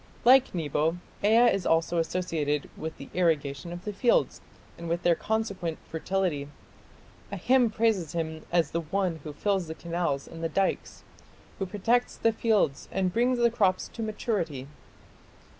Like Nebo, Ea is also associated with the irrigation of the fields and with their consequent fertility. A hymn praises him as the one who fills the canals and the dikes, who protects the fields and brings the crops to maturity."